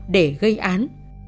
để gây án